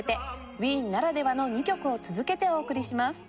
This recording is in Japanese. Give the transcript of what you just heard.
ウィーンならではの２曲を続けてお送りします。